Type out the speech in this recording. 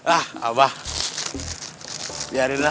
ah abahnya raya